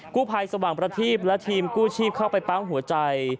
กู้ภัยสว่างประทีปและทีมกู้ชีพเข้าไปปั๊มหัวใจ